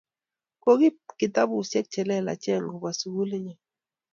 Ko kiip kitapusyek che lelachen kopwa sukuli nyo